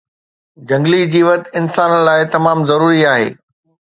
جهنگلي جيوت انسانن لاءِ تمام ضروري آهي